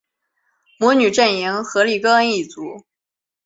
魔女阵营荷丽歌恩一族